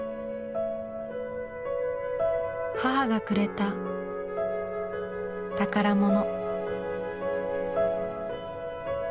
母がくれた宝物。